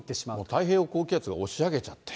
太平洋高気圧が押し上げちゃって。